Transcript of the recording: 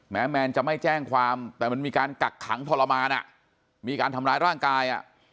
แมนจะไม่แจ้งความแต่มันมีการกักขังทรมานมีการทำร้ายร่างกาย